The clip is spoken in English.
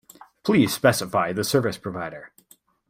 Please specify the service provider.